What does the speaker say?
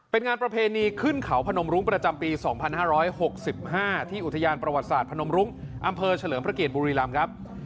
เป็นงานประเพณีขึ้นเขาพนมรุ้งประจำปี๒๕๖๕ที่อุทยานประวัติศาสตร์พนมรุ้งอำเภอเฉลิมพระเกียรติบุรีรำครับ